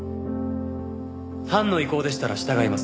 班の意向でしたら従います。